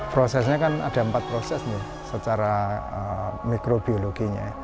prosesnya kan ada empat proses nih secara mikrobiologinya